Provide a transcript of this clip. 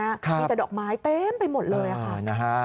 มีแต่ดอกไม้เต็มไปหมดเลยค่ะ